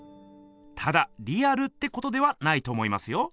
ただリアルってことではないと思いますよ。